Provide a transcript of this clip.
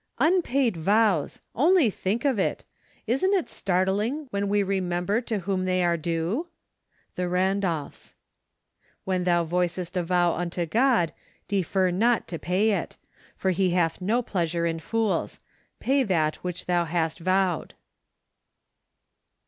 Unpaid vows! — only think of it. Isn't it startling when we remember to whom they are due ? The Randolphs. "TTften thou vowest a vote unto God, defer not to pay it; for he hath no pleasure in fools : pay that uhich thou hast voiced